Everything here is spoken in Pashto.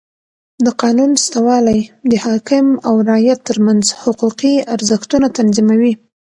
د قانون سته والى د حاکم او رعیت ترمنځ حقوقي ارزښتونه تنظیموي.